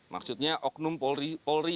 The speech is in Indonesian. maksudnya oknum polri yang terjadi